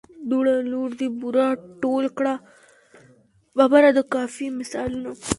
دوړه، لوړ دي، بوره، ټول کړه، ببره د قافیې مثالونه.